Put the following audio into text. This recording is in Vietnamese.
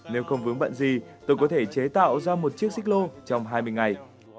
nếu không vướng bận gì tôi có thể chế tạo ra một chiếc xích lô trong hai mươi ngày